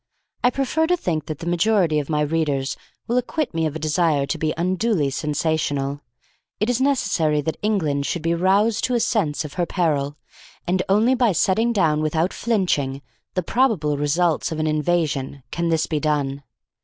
I prefer to think that the majority of my readers will acquit me of a desire to be unduly sensational. It is necessary that England should be roused to a sense of her peril, and only by setting down without flinching the probable results of an invasion can this be done.